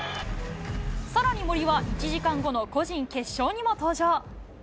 さらに森は１時間後の個人決勝にも登場。